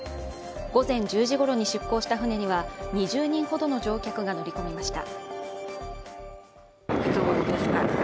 午前１０時ごろに出航した船には２０人ほどの乗客が乗り込みました。